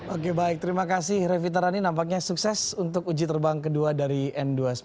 oke baik terima kasih revita rani nampaknya sukses untuk uji terbang kedua dari n dua ratus sembilan belas